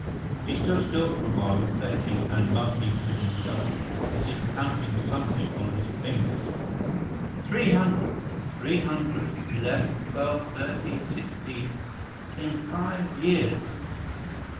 He stood still for a while reflecting and mumbling to himself, as if counting something on his fingers. "Three hundred three hundred eleven twelve thirteen sixteen in five years!